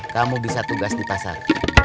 kamu bisa tugas di pasar